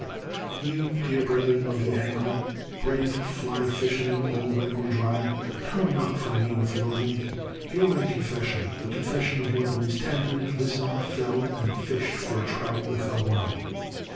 You, dear brethren of the angle, brave fly fish ermen, all, wet or dry, turn not from me with loathing ! Hear my confession, the confession of one who was tempted, listened, fell, and fished for a trout with a worm